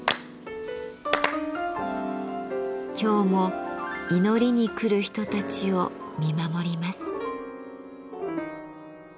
今日も祈りに来る人たちを見守ります。